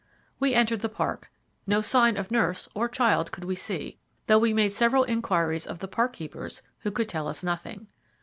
We entered the park. No sign of nurse or child could we see, though we made several inquiries of the park keepers, who could tell us nothing.